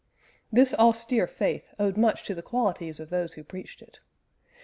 This austere faith owed much to the qualities of those who preached it.